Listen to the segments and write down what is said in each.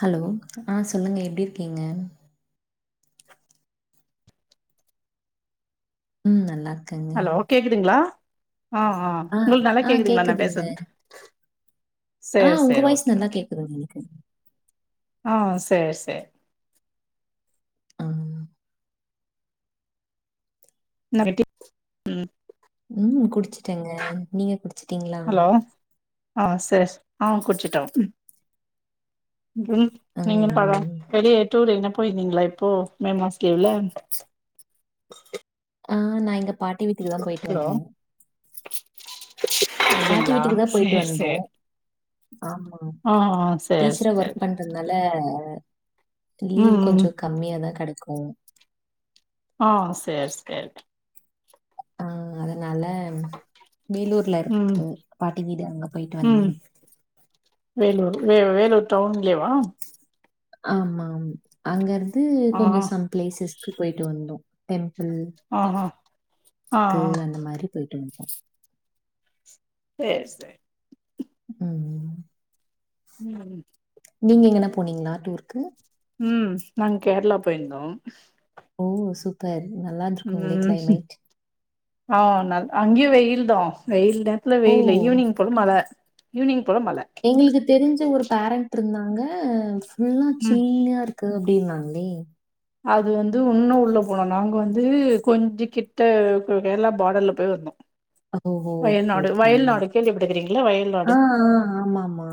Hello ஆ சொல்லுங்க எப்டி இருக்கீங்க ம் நல்லாருக்கு ஹலோ கேக்குதுங்ளா ஆ ஆ உங்குளுக்கு நல்லா ஆ கேக்குதுங்ளா நா கேக்குதுங்க. பேசற்து ஆ உங்க வாய்ஸ் நல்லா ஓகே கேக்குது எனக்கு ஆ சேர் சேர் ஆ. [unintelligible] ரெட்டி உம் உம் குடிச்சுட்டேங்க நீங்க குடிச்சிட்டீங்களா ஹலோ ஆ சேர் ஆ குடிச்சிட்டோ க்ரில் நீங்க டவா ம். வெளியேட்ரு இனம் போய்ந்தீங்களா இப்போ மே மாச லீவ்ல ஆ நா எங்க பாட்டி வீட்டுக்கு தா போயிட்டு ஹலோ வந்தே அப்டிங்களா சேர் சேர் ஆம்மா சேரி டீச்சரா ஒர்க் சேரி பண்றதுனால ம் லீவ் ம் கொஞ்சோ கம்மியாதா கெடக்கூ ஹா சேர் சேர் ஆ அதனால வேலூர்ல ம் இருக்கு பாட்டி வீடு அங்க போய்ட்டு வந்தே ம் வேலூர் வே வேலூர் டவுன்லேவா ஆம்மா அங்கருந்து ஆ கொஞ்சோ சம் பிளேசஸ்க்கு போய்ட்டு வந்தோ டெம்ப்பில் ஆ ஆ ஆ க்கு அந்த மாரி போய்ட்டு வந்த்ட்டோ சேர் சேர் உம் ம் ம் நீங்க எங்கனா போனீங்ளா டூர்க்கு ம் நாங்க கேர்ளா போய்ற்ந்தோ ஓ சூப்பர் நல்லாருந்து இருக்குங்ளே ம் கிளைமேட் ஆ நல் அங்கயு வெயில்தா வெயில் நேரத்துல ஓ! வெயில்ல ஈவினிங் கொலு மழ ஈவினிங் போல மழ எங்ளுக்கு தெரிஞ்ச ஒரு பேரண்ட் இருந்தாங்க ஃபுல்லா ம் சில்லியாருக் க்கு அப்டின்னாங்லே அது வந்து உன்னு உள்ள போனு நாங்க வந்து கொஞ்ச கிட்ட கேரளா பாடர்ல்ல போய் இந்தோ ஓஹோ! ஓகே, வயல்நாடு ஓகேங்க. வயல்நாடு கேள்விப்பட்டுக்கிறிங்ளா ஆ, வயல்நாடு ஆ. ஆமாமா.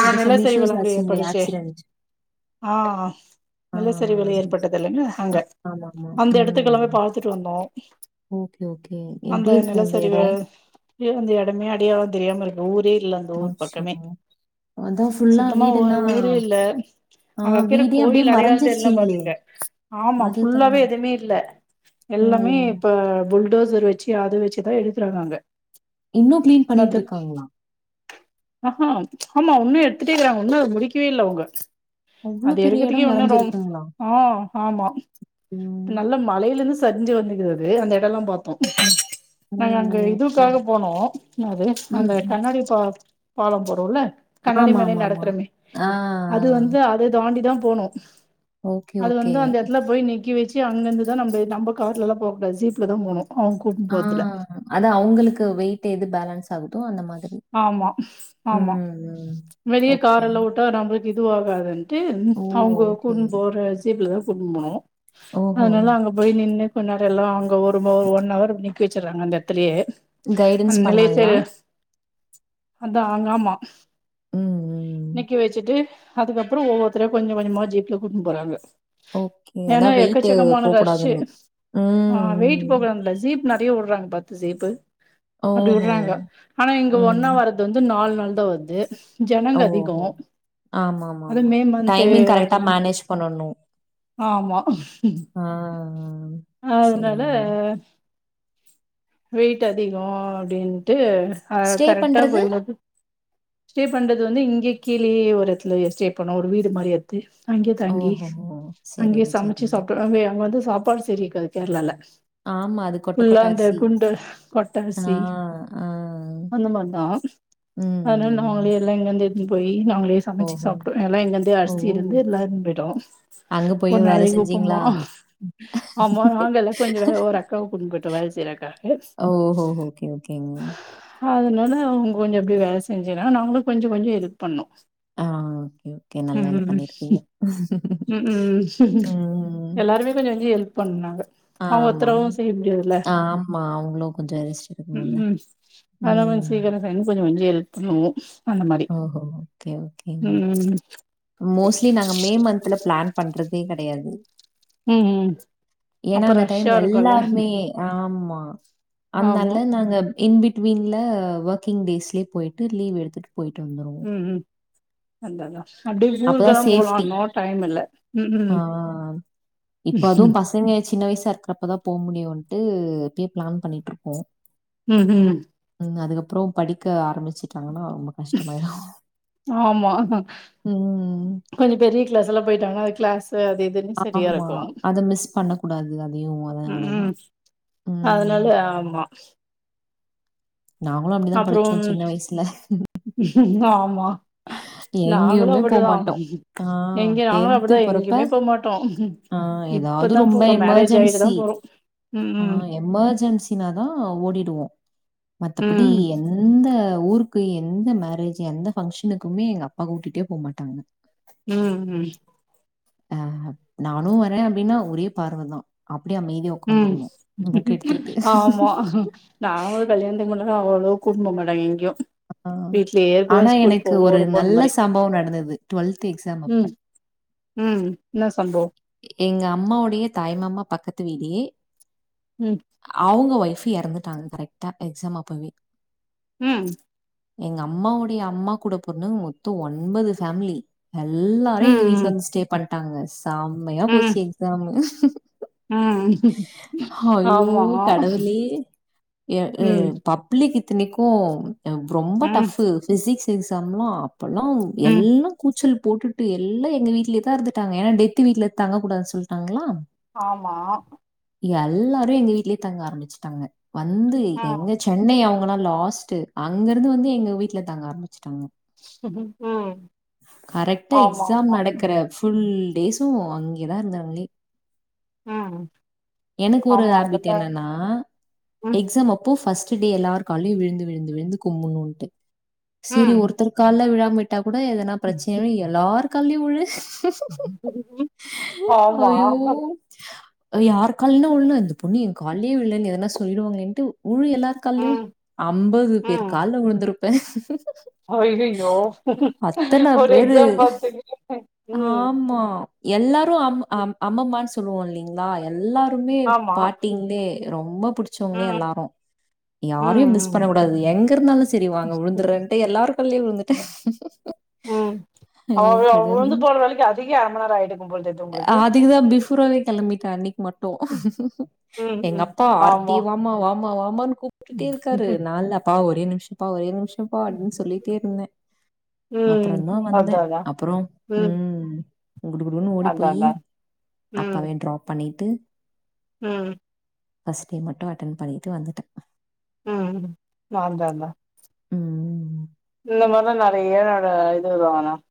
ஆ அது சம் இஷ்யூஸ் நிலசரிவெலாங்கூட ஆச்சுங்களே ஏற்படுச்சே ஆக்சிடென்ட். ஆ ஆ, ஆ. நிலசரிவெலா ஏற் சரி, சரி. பட்டதுல்லங்க அங்க ஆமாமா. அந்த எடத்துக்கெல்லாமே ம். பாத்துட்டு வந்தோ ஓகே ஓகே எப்டி இருக்கு அந்த எடொ சு அந்த எடமே அடையாளோ தெரியாம இருக்கு ஊரே இல்ல அந்த ஊர் அச்சோ! பக்கமே அதான் ஃபுல்லா சுத்தமா ஒரு வீடெல்லாம் ஊரே இல்ல ஆ அங்க வக்கிற வீடே அப்டியே கோயில் அடையாளந் தெர்லனா மறைஞ்சிருச்சுங்களே. பாத்துக்ங்க ஆமா அதுதான். ஃபுல்லாவே எதுமே இல்ல ஓ! எல்லாமே இப்ப பொல் டோசர் வச்சி அத வச்சிதா எடுக்குறாங்க அங்க இன்னொ கிளீன் பண்ணிட்டு மத்த இருக்காங்ளா ஆஹா ஆமா ஒன்னு எடுத்துட்டே இருக்குறாங்க ஒன்னு அது முடிக்கவே இல்ல அவங்க அவ்ளோ அது பெரிய எடுக்கறதுக்கே இடம் இன்னு ரோம் மறைஞ்சிருக்குங்களா? ஆ ஆமா ம். நல்ல மழையில இருந்து சரிஞ்சி வந்துக்குது அது அந்த எடொல்லா பாத்தோ ஓ! நாங்க அங்க ஓகே. இதுக்காக போனோ என்னாது ம். அந்த ம். கண்ணாடி பா பாலம் போறோல்ல கண்ணாடி மேலையே ஆமாமாமா. நடக்றமே ஆ, அது ஆ. வந்து அத தாண்டிதா போனூ ஓகே, அது ஓகே. வந்து அந்த எடத்துல போய் நிக்க வச்சி அங்கர்ந்து தா நம்ப நம்ப கார்லலா போகக்கூாது ஜீப்லதா போணூ அவங்க ஆ அதா அவுங்களுக்கு வெயிட் எது பேலன்ஸ் ஆகுதோ அந்த மாத் ஆமா ஆமா ம். வெளிய ஓகே. காரெல்லா உட்டா நம்ளுக்கு இதுவாகாதுன்டு ஓ! அவொங்க ஓகே. கூட்டுனு போற ஜீப்ல தா கூட்னு போனூ ஓஹோ போய் நின்னு கொஞ் நேரொ எல்லா அவுங்க ஒரு மொ ஒரு ஒன் அவர் நிக்க வச்சுட்றாங்க அந்த எட்த்துலயே கைடன்ஸ் பண்ணாங்ளா அதா அங்க ஆமா ம், ம். நிக்கவச்சிட்டு ஹதுக்கப்றொ ஒவ்வொருத்தரையா கொஞ்ச கொஞ்சமா ஜீப்ல கூட்னு போறாங்க ஓகே. ஏன்னா அதான் வெயிட்டு எக்கச்சக்கமான ரஷ்ஷு போக்கூடாதுன்னு. ம், ஆ வெயிட்டு ம். போகலாம்ல ஜீப் நெறையா உட்றாங்க பத்து ஜீப்பு அப்டி ஓஹோ! விட்றாங்க ஆனா இங்க ம். ஒன்னா வரது வந்து நாலு நாள் தா வருது ஜனங்க அதிகோ ஓஹோ! அது ஆமாமாமா. மே மன்த்து டைமிங் அப்பறோ கரெக்ட்டா மேனேஜ் பண்ணணும். ஆமா ஆ அதுனால சரிங்க. வெயிட் அதிகோ அப்டின்ட்டு கரெ ஸ்டே கரெக்டா பண்றது? போய் நொ ஸ்டே பண்றது வந்து இங்கே கீழே ஒரு எடத்துல எ ஸ்டே பண்ணோ ஒரு வீடு மாரி அது அங்கயே தங்கி ஓஹோஹோ! அங்கயே சரிங்க, சமச்சி சரிங்க. சாப்டு அங்கயே அங்க வந்து சாப்பாடு சரி இருக்காது கேரளால ஆமா அது கொட்ட ஃபுல்லா கொட்ட அந்த அரிசி குண்டு ஆ, கொட்டரிசி ஆ. அந்த மார்தா ம், அதுனால நாங்களே ம். எல்லா இங்கர்ந்து எடுத்துனு போயி நாங்களே சமச்சி ஓஹோ! சாப்டு எல்லா எங்கர்ந்து ஓ! அரிசி இருந்து எல்லாரு ப்ரிடோ அங்க ஒரு போயும் வேலை நாளைக் செஞ்சீங்களா? உப்புமா ஆமா நாங்கெல்லா கொஞ்சொ வேல ஓர காவ் கூட்டின் பொயிட்டு வேல செய்றாக்கா ஓகோகோ ஓகே ஓகேங்க அதுனால அவுங்க கொஞ்சொ எப்டி வேல செஞ்சுன்னா நாங்களு கொஞ்சொ கொஞ்சொ ஹெல்ப் பண்ணு ஆ ஓகே, ஓகே. நல்ல உம் வேலை பண்ணியிருக்கீங்க. உம் உம் ம். எல்லாருமே கொஞ்சொ கொஞ்சொ ஹெல்ப் பண்ணாங்க அவங்க ஒத்தராவு செய்ய முடியாதுல்ல மா அவங்களு கொஞ்சோ ரெஸ்ட் எடுக்கணும்ல ம் அதனால ம் [unintelligible] கொஞ்ச கொஞ்சோ கெல்ப் பண்ணு ஓஹோ ஓகே ஓகேங்க ம் மோஸ்லி நாங்க மே மந்த்ல பிளான் பண்றதே கெடையாது ம் ம் ஏன்னா அப்ப அந்த டைம் ரஷ்ஷா இருக்குல்ல எல்லாருமே ஆம்மா ஆமா அத்னால நாங்க இன் பிட்வீனில ஒர்கிங் டேஸ்லயே போயிட்டு லீவ் எடுத்துட்டு போயிட்டு வந்துருவோ ம் அந்த அதா அப்டியே அப்பதான் ஊருக்கெல்லா போல சேஃப்டி. இன்னு டைம் இல்ல ம்க்கும் சங்க சின்ன வயசா இருக்கிறப்பதா போக முடியும்ன்ட்டு இப்பய் பிளான் பண்ணிட்டுருக்கோ ம் ம் உம் அதுக்கப்பறோ படிக்க ஆரம்பிச்சிட்டாங்கனா ரொம்ப கஷ்டமாயிடூ ஆமா கொஞ்ச பெரிய கிளாஸ் எல்லா போயிட்டாங்கனா கிளாஸ் அது இதுன்னு சரியா ஆமா இருக்கு அத மிஸ் பண்ண கூடாது அதையு அதனாலதா உம் ஆம்மா நாங்களு அப்டிதா படிச்சோ அப்புறம் சின்ன வயசுல ஆமா நாங்களு எங்கேயுமே அப்படிதா போமாட்டோம். ஆ எங்க நாங்களு போறப்ப, அப்பிடிதா போகமாட்டோ ஆ ஏதாவது இப்பதா ரொம்ப போறோ மேரேஜ் ஆயிட்டு தா எமர்ஜென்சி போறோம் ஆ எமர்ஜென்சினாதா ஓடிடுவோ மத்தபடி ம் எந் எந்த ஊருக்கு எந்த மேரேஜ் எந்த ஃபங்க்ஷனுக்குமே எங்க அப்பா கூட்டிட்டே போ மாட்டாங்க ம் ம் ஆஹா நானூ வரே அப்டின்னா ஒரே பார்வதா அப்டியே அமைதியா ம் உட்காந்துரணும். புக் எடுத்துக்கிட்டு. ஆமா நாங்களு கல்யாணத்துக்கு முன்னங அவ்ளோ கூட்டுன் போ மாட்டங்க எங்கியு ஆ ஆனா எனக்கு ஒரு வருவோ அந்த நல்ல மாரி சம்பவம் நடந்தது டுவெல்த் எக்ஸாம் ம் அப்ப ம் ன்னா சம்பவோ எங்க அம்மாவுடைய தாய்மாமா பக்கத்து வீடே ம் அவுங்க ஒய்புஃ இறந்துட்டாங்க கரெக்ட்டா எக்ஸாம் அப்பவே ம் எங்க அம்மாவுடைய அம்மா கூட பொறந்தவங்க மொத்தோ ஒன்பது ஃபேமிலி எல்லாரு எங்க ம் வீட்டுல ம் வந்து ஸ்டே பண்ணிட்டாங்க செம்மையா ம் போச்சு எக்ஸாம்மு ம் ஹய்யோ ஆமா கடவுளே ம் [unintelligible] பப்ளிக்கு இத்தனைக்கு ரொம்ப ம் டஃபு பிசிக்ஸ் எக்ஸாம்லா பல்லா ம் எல்லா கூச்சல் போட்டுட்டு எல்லா எங்க வீட்லயேதா இருந்துட்டாங்க ஏன்னா டெத்து வீட்ல தங்கக் கூடாதுனு சொல்ட்டாங்களா ஆமா எல்லாரு எங்க வீட்லயே தங்க ஆரம்பிச்சுட்டாங்க வந்து ம் எங்காச் சென்னை அவங்கல்லா லாஸ்ட்டு அங்க இருந்து வந்து எங்க வீட்ல தங்க ஆரம்பிச்சுட்டாங்க ம் கரெக்டா ஆமா எக்ஸாம் ஆமா நடக்குற ம் ஃபுல் டேஸும் அங்யே தா இருந்தாங்களே ம் எனக்கு ஒரு ஆமா ஹாபிட் அதெல்லா என்னன்னா ம் எக்ஸாம் அப் அப்போ ஃபஸ்ட்டு டே எல்லாரு கால்லையு விழுந்து விழுந்து விழுந்து கும்புணுன்ட்டு செரி ஒருத்தரு கால விழாமவுட்டா கூட எதனா ம் பிரச்சனயாயிரு எல்லாரு கால்லையு உழு ஆமா அய்யோ யார்ரு கால்ன்னா உழ்னா இந்த பொண்ணு என் கால்லையே விழுலன் எதனா சொல்லிடுவாங்களேன்ட்டு உழு எல்லார் கால்லியு ம் ஐம்பது பேர் கால்ல வுழுந்திருப்பே ஐயையய்யோ ஒரு எக்ஸாம் பாத்து [unintelligible] ம் மா எல்லாரு அம் ம். அம் அம்ம்மான்னு சொல்லுவோ இல்லைங்களா எல்லாருமே ஆமா பாட்டிங்களே ரொம்ப புடிச்சவங்களே ம் எல்லாரு யாரையு மிஸ் ம் பண்ணக்கூடாது எங்க இருந்தாலு சரி வாங்க உழுந்துறன்ட்டு எல்லாரு கால்லயு உழுந்துட்ட ம் ம் அவ அவ உழுந்து போற வேலைக்கு அதுக்கே அர ம நேர ஆயிடுக்கும் போல் இருக்கு அதுக்குதா பிஃபோராவே கெளம்பிட்டா அன்னிக்கு மட் ம் எங்க ம் அப்பா ஆர்த்தி ஆமா வாமா வாமா வாமானு கூப் கூப்ட்டே இருக்காரு நா இல்லப்பா ஒரே நிமிஷம்ப்பா ஒரே நிமிஷம்ப்பா அப்டின்னு சொல்லிட்டே இருந்தே ம் அப்பறதா வந்தே அதா அதா அப்பறம் ம் குடு குடுக்குன்னு ஓடிப் அதா போயி அதா ம் அப்பவே ட்ராப் பண்ணிட்டு ம் ஃபஸ்டே மட்டு அட்டன் பண்ணிட்டு வந்துட்ட ம் நாந்தா [unintelligible] ம் இந்த மாரில நெறைய நட இது [unintelligible]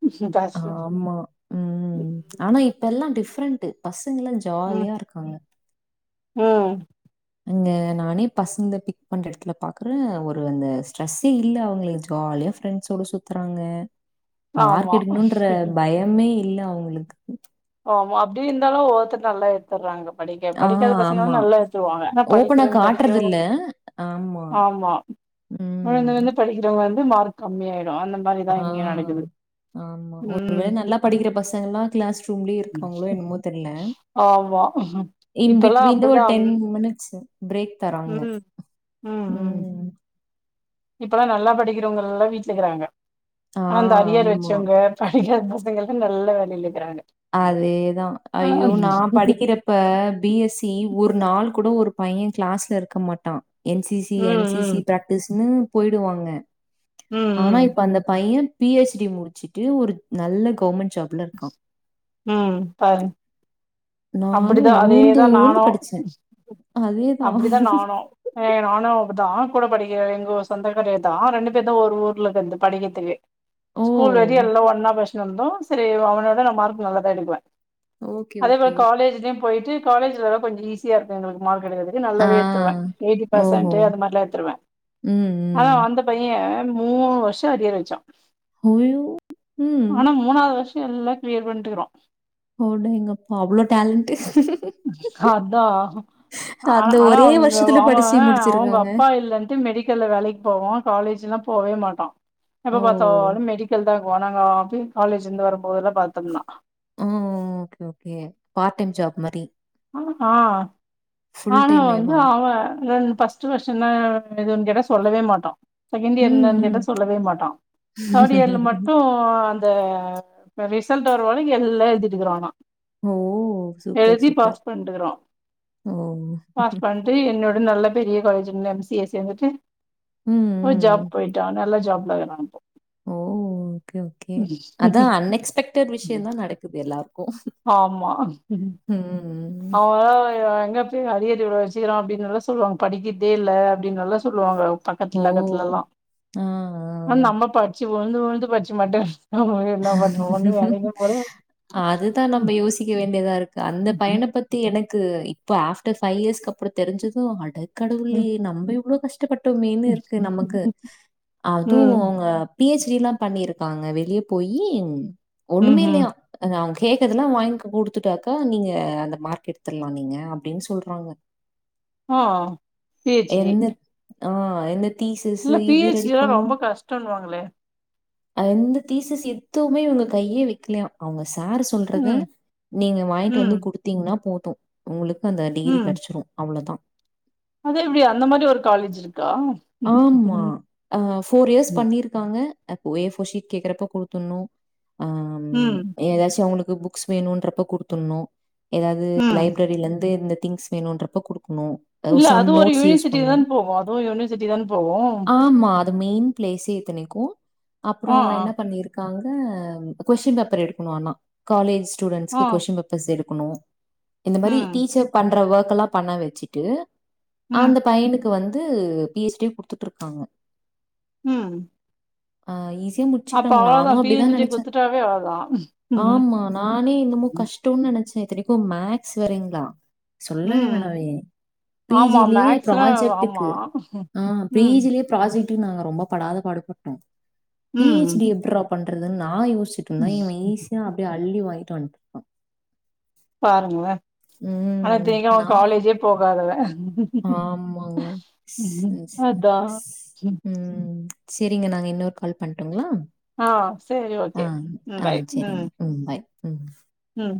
ஆமா ம் ஆனா இப்பெல்லா டிஃப்ரெண்ட்டு பசங்கல்லா ம் ஜாலியா இருக் [unintelligible] ம் அங்க நானே பசங்கள பிக் பண்ற எடத்துல பாக்குறே ஒரு அந்த ஸ்ட்ரெஸ்ஸே இல்ல அவங்களுக்கு ஜாலியா ஃப்ரெண் ஃப்ரெண்ட்ஸ்சோட சுத்தறாங்க ஆமா மார்க்கெடுன்ற பயமே இல்ல அவங்களுக்கு ஆமா அப்டி இருந்தாலு ஒவ்வொருத்தட்ட நல்லா [unintelligible] [unintelligible] படிக்க ஆ படிக்காத பசங்க ஆமா. நல்லா எடுத்துருவாங்க ஆனா ஓப்பனா படிக்கிறே படிக்கிறோ காட்டுறதில்ல. ஆமா ஆமா விழுந்து ம். விழுந்து படிக்கிறவ வந்து மார்க் கம்மியாயிடு அந் ஆ ஆமா ஒரு வேள ம் நல்லா படிக்கிற பசங்கல்லா கிளாஸ் சொல்லிருக்காங்களோ என்னமோ தெர்ல ஆமா இன் பிட் இப்பல்லா வின் த ஒரு அப்டிதா டென் மினிட்ஸ் சார் பிரேக் தராங்க. ம் ம் ம் இப்பல்லா நல்லா படிக்கிறவங்கல்லா வீட்ல இருக்றாங்க ஆ ஆனா அந்த அரியர் ஆமா. வச்சவங்க படிக்காத பசங்கல்லா நல்லா வேலையில இருக்றாங்க அதேதா ஐயோ நா படிக்கிறப் இப்ப பி எஸ் சி ஒரு நாள் கூட ஒரு பைய கிளாஸ்ல இருக்க மாட்டா N C C N C ம் சி ம் பிராக்டிஸ்ன்னு போயிடுவாங்க ஆனா ம் இப்ப அந்த பைய பி ஹெச் டி முடிச்சுட்டு ஒரு நல்ல கவர்மெண்ட் ஜாப்ல இருக்கா ம் பாருங் நான்லாம் அப்டிதா உழுந்து அதேதா உழுந்து நாணு படிச்சேன். அதேதான். அப்டிதா நாணு ஏ நானு அப்தா கூட படிக்கிற எங்க சொந்தக்காரிதா ரெண்டு பேர் தா ஒரு ஊர்ல இருக்குது படிக்கத்துக்கு ஓ! ஸ்கூல் வரி எல்லா ஒன்னா பச்சினு வந்தோ செரி அவனோட நா மார்க் நல்லாதா எடுக்குவே ஓகே ஓகே காலேஜ்யு போயிட்டு காலேஜ்ல்லா கொஞ்ச ஈஸிய இருக்கும் எங்களுக்கு மார்க எடுக்கற்து இது ஆ. நல்லாவே எத்துருவே எயிட்டி ஓஹோ! பெர்சன்ட்டு அது மாரிலா எத்துருவே ம், ஆனா ம். அந்த பைய மூணு வர்சோ அரியர் வச்சா ஐயோ! ம். ஆனா மூணாது வர்ஷ் எல்லா களியர் பண்ணிட்டுகிறோ ஒடேங்கப்பா அவ்ளோ டேலண்ட்டு அதா ஆ அந்த ஆனா ஒரே அவுங்க வருஷத்துல அவ படிச்சு அவுங்க முடிச்சிருக்காங்க. அப்பா இல்லன்ட்டு மெடிக்கல்ல வேலைக் போவோ காலேஜ்ஜெல்லா போவே மாட்டான் எப்ப ஓ! பாத்தாலு மெடிக்கல்தான் வனொங்க அப்பி காலேஜ்ந்து வரம்போதெல்லா பாத்தம்னா ஓ okay okay part time job மாரி ம் ஆ ஃபுல் ஆனா வந்து டைமேவா? அவன் ரெண் பஸ் ட்ரு வெர்ஷனு எது வேணு கேட்டா சொல்லவே மாட்டான் செகண்ட் ம், இயர்லிருந்து கேட்டா ம். சொல்லவே மாட்டான் தேர்டு இயர்ல மட்டு இப்போ அந்த ரிசல்ட் வருவரை எல்லா எழுதிட்டு இக்கறாஙோ ஓ சூப்பர் சூப்பர் பண்டுருக்குறோ ஓ! பாஸ் பண் ட்டு என்னோட நல்ல பெரிய காலேஜ்ல எம் சி ஏ சேந்துட்டு ம், ஓ ஜாப் ம். போயிட்டான் நல்ல ஜாப்ல [unintelligible] ஓ ஓகே ஓகே இப்போ அதான் அன்எக்ஸ்பெக்ட்டு விஷ்யந்தான் நடக்குது எல்லாருக்கு ஆமா அவுங்ளா எங்க இப்பயே அரியர் இவ்ளோ வெச்சிக்கிறான் அப்டின்னல்லா சொல்லுவாங்க படிக்கிதே இல்ல அப்டின் எல்லா சொல்லுவாங்க ஓ! பக்கத்துல அக்கத்துலலா ஆ, ஆனா ஆ. நம்ம படிச்சி உழுந்து உழுந்து படிச்சி மட்டு நம்ம என்ன பண்றோ ஒண்ணு வேலைக்கு போல அதுதா நம்ப யோசி க்க வேண்டியதா இருக்கு அந்த பையன பத்தி எனக்கு இப்ப ஆஃப்டர் ஃபைவ் இயர்ஸ்க் அப்பறோ தெரிஞ்சது அட கடவுளே நம்ம இவ்ளோ கஷ்டப்பட்டோமேனு இருக்கு நமக்கு அதுவு ம் அவுங்க பி ஹச் டிலாம் பண்ணிருக்காங்க வெளிய‌ போயி ஒண்ணுமே ம்ஹும் இல்லையா அத அவன் கேக்கறதெல்லா வாங்கி குடுத்துட்டாக்க நீங்க அந்த மார்க் எடுத்துர்லா நீங்க அப்டின் சொல்றாங்க ஓ பி ஹச் டி எந்த ம். ஆ இந்த தீசஸ்ஸு இல்ல பி இது ஹெச் ரெடி டி லா பண்ணு ரொம்ப கஷ்டன்னுவாங்களே எந்த தீசஸ் எதுவுமே இவுங்க கையே வெக்லையா அவுங்க சாரு சொல்றத ம் நீங்க வாங்கிட்டு ம் வந்து குடுத்தீங்ன்னா போது உங்களுக்கு அந்த டிகிரி ம் கெடைச்சிரு அவ்ளோதா அது எப்டி அந்த மாதிரி ஒரு காலேஜ் இருக்கா பாருங்க அப்போ ஏ போர் சீட் கேக்குறப்ப குடுத்துர்ணு ஆ ம் எதாச்சு அவுங்களுக்கு புக் புக்ஸ் வேணுன்றப்ப குடுத்துர்ணு எதாது ம் லைப்ரரிலருந்து இந்த திங்ஸ் வேணுன்றப்ப குடுக்கணு இல்ல அது ஒரு யூனிவர்சிட்டில தா போகும் அதுவு யூனிவர்சிட்டில தான் போகும் இந்த மெயின் பிளேஸே இத்தனைக்கு அப்பறோ ஆ ஆ என்ன பண்ணிருக்காங்க கொஸ்ஸூன் பேப்பர் எடுக்கணும் ஆனா காலேஜ் ஆ ஸ்டூடண்ஸ்க்கு கொஸ்ஸூன் பேப் பர்ஸ் எடுக்கணு இந்த மாரி ம் டீச்சர் பண்ற ஓக் எல்லா பண்ண வச்சிட்டு ம் அந்த பையனுக்கு வந்து பி ஹச் டி குடுத்துட்டு இருக்காங்க ம் ஆ ஈஸியா அப்ப முட்ச்சுட்டாங்க அவ்ளோதா நானு பி அப்பிடிதா ஹெச் டி நெனைச்சே குத்துட்டாவே அவ்ளோதா ம் ஆம்மா நானே இன்னமு கஷ்டம்னு நெனைச்சே இத்தனைக்கும் மேக்ஸ் வேறேங்களா சொல்லவே ம் வேணாவே பி ஆமா ஜிலேயே மேக்ஸ்னா ஆமா ப்ராஜெக்ட்டுக்கு ஆ பி ம் ஜிலயே ப்ராஜக்ட்டுக்கு நாங்க ரொம்ப படாத பாடுபட்டோ பி ஹெச் ம் டி எப்புரா பண்றதுன் நா யோசிட்டு இருந்தா இவன் ஈஸியா அப்பிடியே அள்ளி வாங்கிட்டு வந்ட்டா பாருங்களே ஆனா ம். இத்தனைக்கு அவெ நான்லாம் காலேஜே போகாதவ ஆமாங்க அதா ம் ம் செரிங்க நாங்க இன்னொரு கால் பண்டுங்களா ஆ சேரி ஓகே ம் பாய் சரிங்க. ம் ம் பாய் ம் ம்